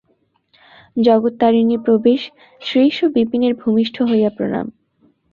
জগত্তারিণীর প্রবেশ শ্রীশ ও বিপিনের ভূমিষ্ঠ হইয়া প্রণাম।